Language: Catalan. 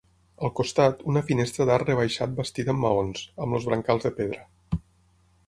Al costat, una finestra d'arc rebaixat bastida amb maons, amb els brancals de pedra.